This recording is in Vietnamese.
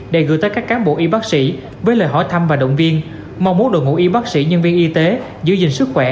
để gửi tới các cán bộ y bác sĩ với lời hỏi thăm và động viên mong muốn đội ngũ y bác sĩ nhân viên y tế giữ gìn sức khỏe